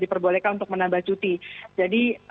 diperbolehkan untuk menambah cuti jadi